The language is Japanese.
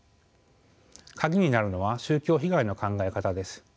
鍵になるのは宗教被害の考え方です。